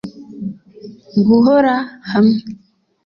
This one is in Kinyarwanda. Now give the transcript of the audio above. Guhora hamwe